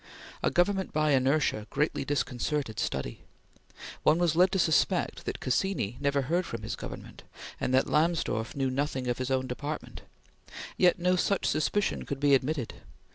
A government by inertia greatly disconcerted study. One was led to suspect that Cassini never heard from his Government, and that Lamsdorf knew nothing of his own department; yet no such suspicion could be admitted.